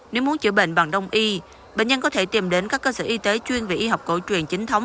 nếu muốn chữa bệnh bằng đông y bệnh nhân có thể tìm đến các cơ sở y tế chuyên về y học cổ truyền chính thống